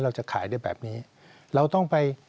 เราจะขายได้แบบนี้